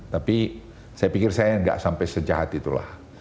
tapi saya pikir saya nggak sampai sejahat itulah